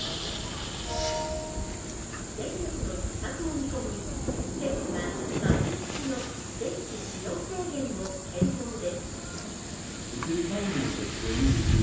電力のひっ迫を見込み、政府が罰金付きの電気使用制限を検討です。